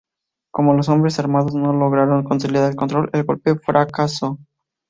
Como los hombres armados no lograron consolidar el control, el golpe fracasó.